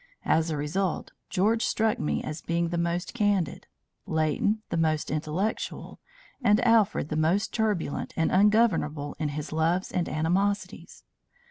As a result, George struck me as being the most candid, Leighton the most intellectual, and Alfred the most turbulent and ungovernable in his loves and animosities.